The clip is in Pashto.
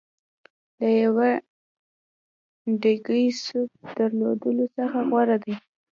له یوه ډېګي سوپ درلودلو څخه غوره دی.